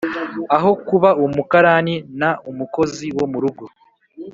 Aho kuba umukarani na umukozi wo murugo